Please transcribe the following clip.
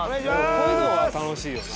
こういうのは楽しいよな。